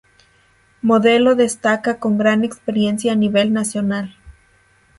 Modelo destacada con gran experiencia a nivel nacional.